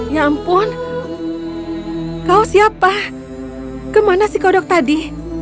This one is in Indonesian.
ya ampun kau siapa kemana si kodok tadi